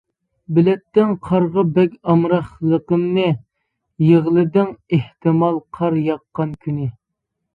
بىلەتتىڭ قارغا بەك ئامراقلىقىمنى، يىغلىدىڭ ئېھتىمال قار ياغقان كۈنى.